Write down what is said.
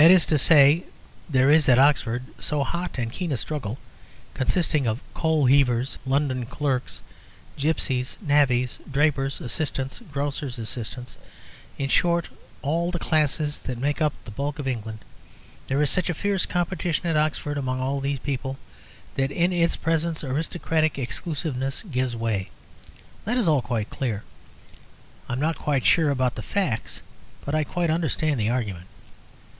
That is to say, there is at Oxford so hot and keen a struggle, consisting of coal heavers, London clerks, gypsies, navvies, drapers' assistants, grocers' assistants in short, all the classes that make up the bulk of England there is such a fierce competition at Oxford among all these people that in its presence aristocratic exclusiveness gives way. That is all quite clear. I am not quite sure about the facts, but I quite understand the argument.